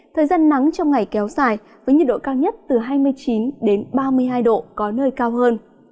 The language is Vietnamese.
thời gian nắng trong ngày kéo dài với nhiệt độ cao nhất từ hai mươi chín ba mươi hai độ có nơi cao hơn